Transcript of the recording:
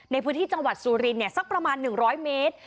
ในพื้นที่จังหวัดสุรินสักประมาณ๑๐๐เมตร